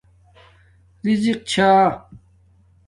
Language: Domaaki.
رزق چھݳ